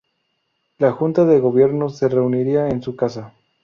La Junta de Gobierno se reunía en su casa.